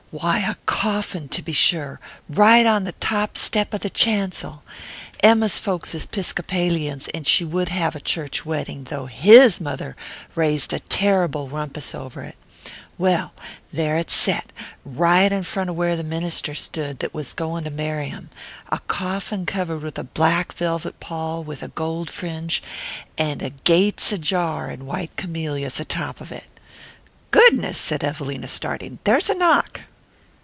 "Why, a coffin, to be sure, right on the top step of the chancel Emma's folks is 'piscopalians and she would have a church wedding, though HIS mother raised a terrible rumpus over it well, there it set, right in front of where the minister stood that was going to marry 'em, a coffin covered with a black velvet pall with a gold fringe, and a 'Gates Ajar' in white camellias atop of it." "Goodness," said Evelina, starting, "there's a knock!"